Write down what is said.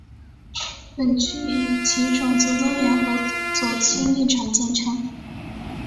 本区以其种族多元和左倾立场见称。